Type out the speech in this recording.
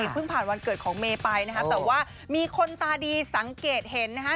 เพิ่งผ่านวันเกิดของเมย์ไปนะฮะแต่ว่ามีคนตาดีสังเกตเห็นนะฮะ